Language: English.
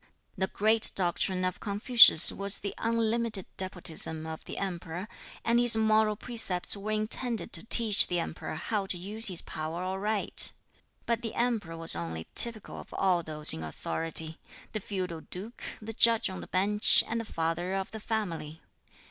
The great doctrine of Confucius was the unlimited despotism of the Emperor, and his moral precepts were intended to teach the Emperor how to use his power aright. But the Emperor was only typical of all those in authority the feudal duke, the judge on the bench, and the father of the family.